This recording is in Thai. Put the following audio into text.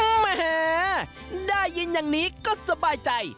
อุ๊กมารยาด้ายยิ้นอย่างนี้ก็สบายใจ